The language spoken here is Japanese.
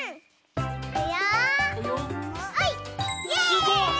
すごい！